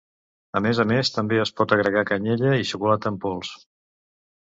A més a més també es pot agregar canyella i xocolata en pols.